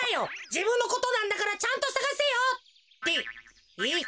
じぶんのことなんだからちゃんとさがせよ！ってえっ？